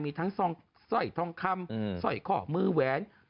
มีทั้งสร้อยทองคำสร้อยข้อมือแหวน